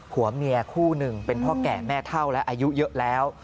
หัวเมียคู่หนึ่งเป็นพ่อแก่แม่เท่าและอายุเยอะแล้ว